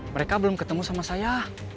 mereka belum ketemu sama saya